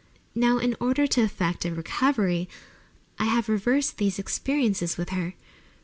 Now, in order to effect a recovery, I have reversed these experiences with her.